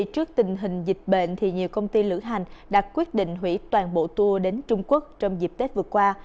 trước tình hình dịch bệnh nhiều công ty lửa hành đã quyết định hủy toàn bộ tour đến trung quốc trong dịp tết vừa qua